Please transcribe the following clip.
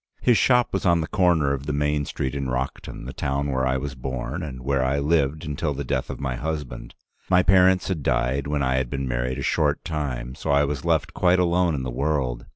His shop was on the corner of the main street in Rockton, the town where I was born, and where I lived until the death of my husband. My parents had died when I had been married a short time, so I was left quite alone in the world.